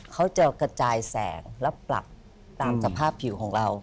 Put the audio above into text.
เขาจะกระจายแสงและปรับตามสภาพผิวของเรา